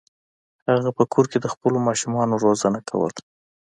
هغه په کور کې د خپلو ماشومانو روزنه کوله.